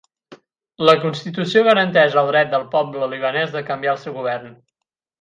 La Constitució garanteix el dret del poble libanès de canviar el seu govern.